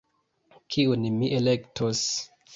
Kiun mi elektos.